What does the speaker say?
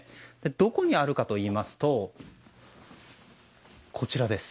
どこにあるかといいますとこちらです。